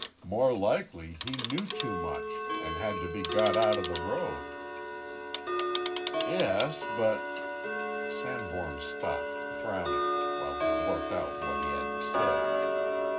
"More likely he knew too much an' had to be got out of the road." "Yes, but " Sanborn stopped, frowning, while he worked out what he had to say.